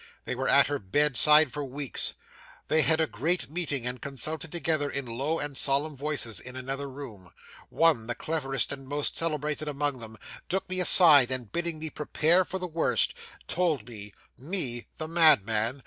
They were at her bedside for weeks. They had a great meeting and consulted together in low and solemn voices in another room. One, the cleverest and most celebrated among them, took me aside, and bidding me prepare for the worst, told me me, the madman!